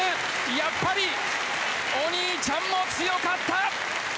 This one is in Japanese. やっぱりお兄ちゃんも強かった！